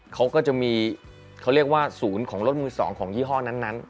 เขาก็จะมีเขาเรียกว่าศูนย์ของรถมือ๒ของยี่ห้อนั้น